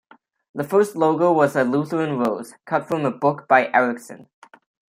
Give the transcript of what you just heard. The first logo was the Lutheran Rose, cut from a book by Erickson.